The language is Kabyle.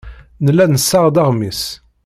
Nella nessaɣ-d aɣmis.